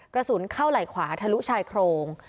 กระสุนเข้าไหล่ขวาทะลุชายโครง